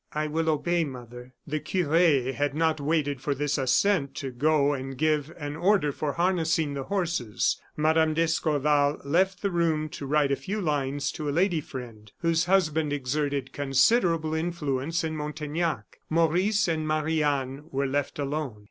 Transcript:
"I will obey, mother." The cure had not waited for this assent to go and give an order for harnessing the horses. Mme. d'Escorval left the room to write a few lines to a lady friend, whose husband exerted considerable influence in Montaignac. Maurice and Marie Anne were left alone.